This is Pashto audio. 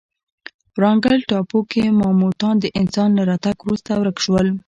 ورانګل ټاپو کې ماموتان د انسان له راتګ وروسته ورک شول.